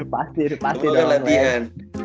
pasti pasti dalam latihan